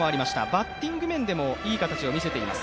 バッティング面でもいい形を見せています。